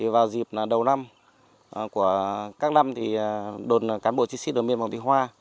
vào dịp đầu năm của các năm cán bộ chiến sĩ đối miên phòng thị hoa